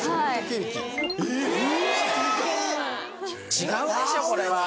違うでしょこれは。